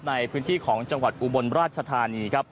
ในพื้นที่ของจังหวัดอุบลราชธานีครับ